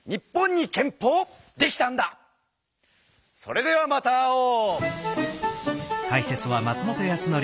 それではまた会おう！